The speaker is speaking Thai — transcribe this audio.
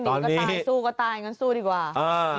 โอ้โฮหนีก็ตายสู้ก็ตายงั้นสู้ดีกว่า